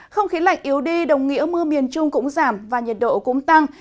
không khí lạnh yếu đi đồng nghĩa mưa miền trung cũng giảm và nhiệt độ cũng tăng